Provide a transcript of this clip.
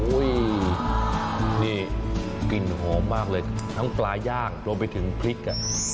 นี่กลิ่นหอมมากเลยทั้งปลาย่างรวมไปถึงพริกอ่ะ